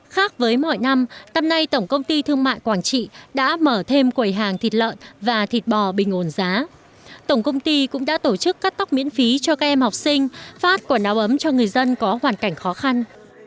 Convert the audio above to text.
khác với mọi năm năm nay tổng công ty thương mại quảng trị đã mở thêm quầy hàng thịt lợn và thịt bò bình ổn giá tổng công ty cũng đã tổ chức cắt tóc miễn phí cho các em học sinh phát quần áo ấm cho người dân có hoàn cảnh khó khăn